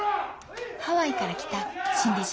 ハワイから来た新弟子。